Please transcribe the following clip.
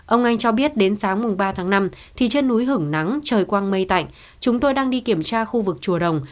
ông anh cho biết đến sáng mùng ba tháng năm thì trên núi hưởng nắng trời quang mây tạnh chúng tôi đang đi kiểm tra khu vực chùa đồng